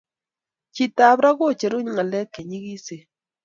cheet ap rap kocheru ngalek chenyikisen